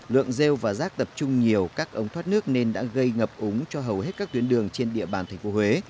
lượng rêu và rác tập trung nhiều các ống thoát nước nên đã gây ngập úng cho hầu hết các tuyến đường trên địa bàn tp huế